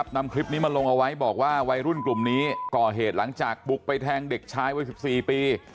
นำคลิปนี้มาลงเอาไว้บอกว่าวัยรุ่นกลุ่มนี้ก่อเหตุหลังจากบุกไปแทงเด็กชายวัย๑๔ปี